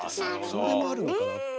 それもあるのかなって。